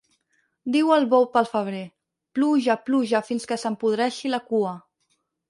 Diu el bou pel febrer: - Pluja, pluja, fins que se'm podreixi la cua.